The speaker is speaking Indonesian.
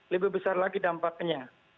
lebih besar lagi dampaknya